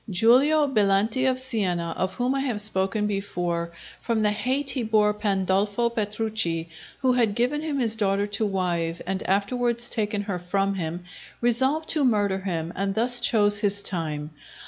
Giulio Belanti of Siena, of whom I have spoken before, from the hate he bore Pandolfo Petrucci, who had given him his daughter to wife and afterwards taken her from him, resolved to murder him, and thus chose his time.